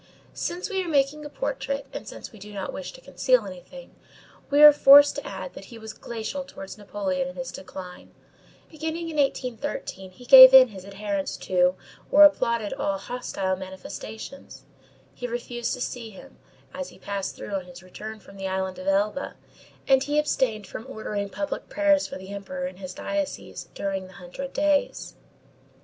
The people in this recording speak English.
Since we are making a portrait, and since we do not wish to conceal anything, we are forced to add that he was glacial towards Napoleon in his decline. Beginning with 1813, he gave in his adherence to or applauded all hostile manifestations. He refused to see him, as he passed through on his return from the island of Elba, and he abstained from ordering public prayers for the Emperor in his diocese during the Hundred Days.